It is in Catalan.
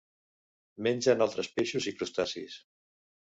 Mengen altres peixos i crustacis.